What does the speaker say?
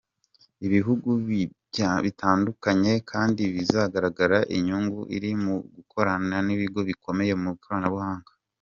Ibihugu bityandukanye kandibizagaragaza inyungu iri mu gukorana n’ ibigo bikomeye mu ikoranabuhanga.